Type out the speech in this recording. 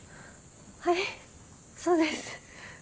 はいそうです。